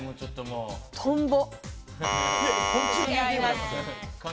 トンボ。